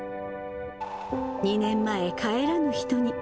２年前、帰らぬ人に。